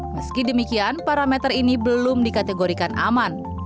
meski demikian parameter ini belum dikategorikan aman